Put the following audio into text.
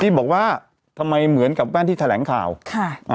บอกว่าทำไมเหมือนกับแว่นที่แถลงข่าวค่ะอ่า